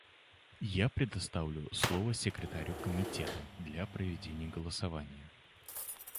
Я предоставляю слово секретарю Комитета для проведения голосования.